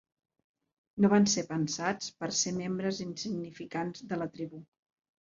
No van ser pensats per ser membres insignificants de la tribu.